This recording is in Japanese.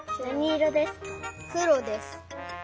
くろです。